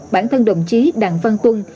bản thân đồng chí đặng văn tuân